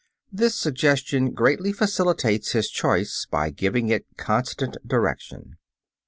This suggestion greatly facilitates his choice by giving it a constant direction.